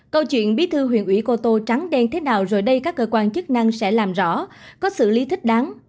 câu chuyện bí thư huyện ủy cô tô trắng đen thế nào rồi đây các cơ quan chức năng sẽ làm rõ có xử lý thích đáng